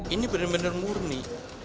ini benar benar murni